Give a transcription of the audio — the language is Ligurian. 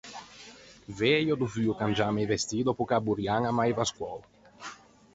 Vëi ò dovuo cangiâme i vestî dòppo che a boriaña a m’aiva scoou.